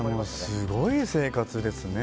すごい生活ですね。